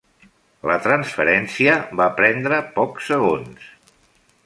La transferència va prendre pocs segons.